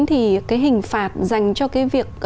thì cái hình phạt dành cho cái việc